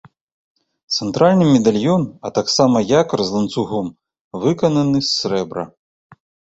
Цэнтральны медальён, а таксама якар з ланцугом выкананы з срэбра.